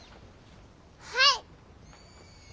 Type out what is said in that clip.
はい！